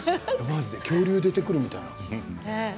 まじで恐竜が出てくるみたい。